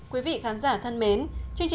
quý vị khán giả thân mến